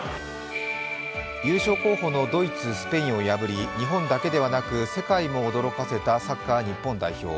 優勝候補のドイツ、スペインを破り日本だけではなく世界も驚かせたサッカー日本代表。